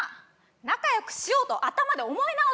仲良くしようと頭で思い直しな！